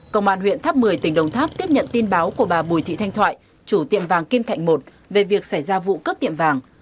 công an huyện tháp một mươi tỉnh đồng tháp tiếp nhận tin báo của bà bùi thị thanh thoại chủ tiệm vàng kim thạnh một về việc xảy ra vụ cướp tiệm vàng